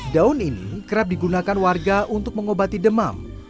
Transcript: daun ini kerap digunakan warga untuk mengobati demam